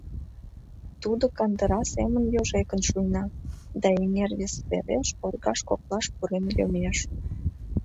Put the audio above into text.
Тудо кандыра семын йожекын шуйна да эҥер вес сереш оргаж коклаш пурен йомеш.